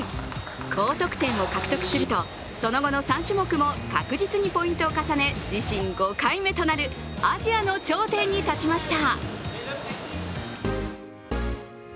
高得点を獲得するとその後の３種目も確実にポイントを重ね自身５回目となるアジアの頂点に立ちました。